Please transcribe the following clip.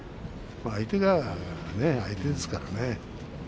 相手が相手ですからね。